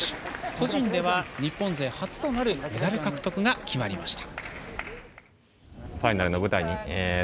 個人では日本勢初となるメダル獲得が決まりました。